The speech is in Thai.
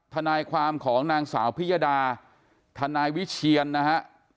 ทนายความของนางสาวพิยดาทนายวิเชียนนะฮะ